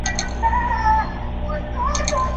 青河县是越南海阳省下辖的一个县。